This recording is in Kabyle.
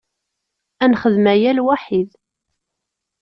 Ad nexdem aya lwaḥid.